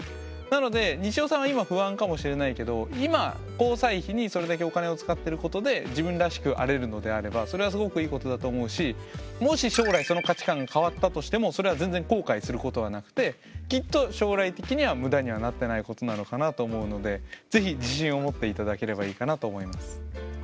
なのでにしおさんは今不安かもしれないけど今交際費にそれだけお金を使ってることで自分らしくあれるのであればそれはすごくいいことだと思うしもし将来その価値観が変わったとしてもそれは全然後悔することはなくてきっと将来的には無駄にはなってないことなのかなと思うのでぜひ自信を持って頂ければいいかなと思います。